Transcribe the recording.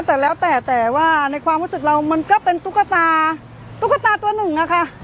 แต่แล้วแต่แต่ว่าในความรู้สึกเรามันก็เป็นตุ๊กตาตุ๊กตาตัวหนึ่งอะค่ะ